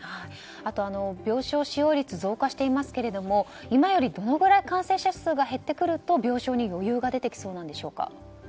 あと、病床使用率が増加していますが今よりどのくらい感染者数が減ってくると病床に余裕が出てきそうなんでしょうか。